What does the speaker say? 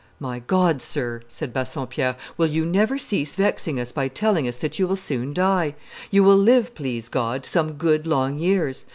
"My God, sir," said Bassompierre, "will you never cease vexing us by telling us that you will soon die? You will live, please God, some good, long years.